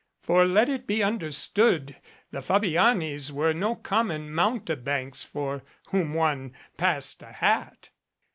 For let it be understood the Fabianis were no common mountebanks for whom one passed a hat.